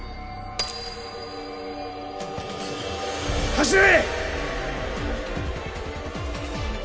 走れ！